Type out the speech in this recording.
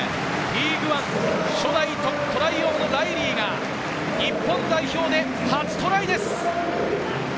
リーグワン、初代トライ王のライリーが日本代表で初トライです！